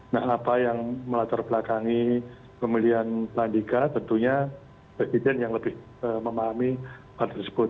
nah apa yang melatar belakangi pemilihan pak andika tentunya presiden yang lebih memahami hal tersebut